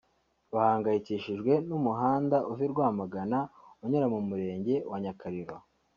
bahangayikishijwe n’umuhanda uva i Rwamagana unyura mu Murenge wa Nyakariro